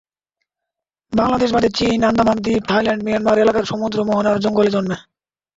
বাংলাদেশ বাদে চীন, আন্দামান দ্বীপ, থ্যাইল্যান্ড, মিয়ানমার এলাকার সমুদ্র মোহনার জঙ্গলে জন্মে।